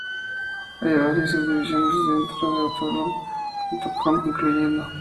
Hay varias subdivisiones dentro de autoblog.com, incluyendo